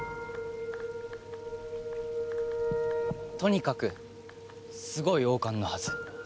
とにかくすごい王冠のはず。